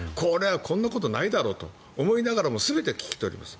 こんなことないだろうと思いながらも全て聞き取ります。